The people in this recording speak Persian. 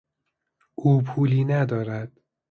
او پولی ندارد.